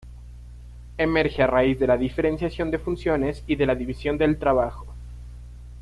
Emerge a raíz de la diferenciación de funciones y de la división del trabajo.